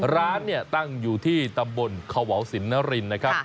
ร้านเนี่ยตั้งอยู่ที่ตำบลขวาวสินนรินนะครับ